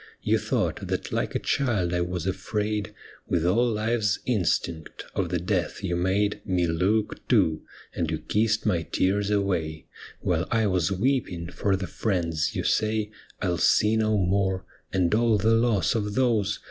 You thought that like a child I was afraid, With all life's instinct, of the death you made Me look to, and you kissed my tears away, While I was weeping for the friends you say I '11 see no more, and all the loss of those 'THE ME WITHIN THEE BLIND!'